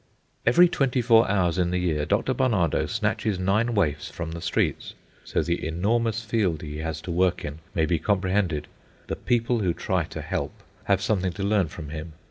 Every twenty four hours in the year Dr. Barnardo snatches nine waifs from the streets; so the enormous field he has to work in may be comprehended. The people who try to help have something to learn from him.